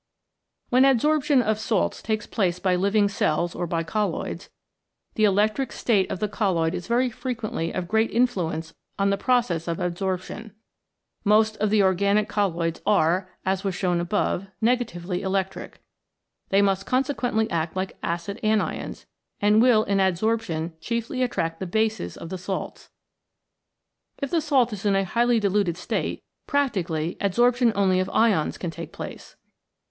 When adsorption of salts takes place by living cells or by colloids, the electric state of the colloid is very frequently of great influence on the process of adsorption. Most of the organic colloids are, as was shown above, negatively electric. They must consequently act like acid anions, and will in adsorption chiefly attract the bases of the salts. If the salt is in a highly diluted state practically adsorption only of ions can take place.